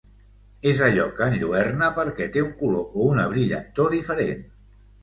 És allò que enlluerna perquè té un color o una brillantor diferent.